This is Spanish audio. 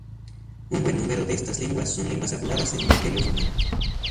Un buen número de estas lenguas son lenguas habladas en el Imperio Romano.